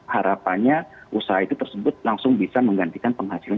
harapannya usaha itu tersebut langsung bisa menggantikan penghasilan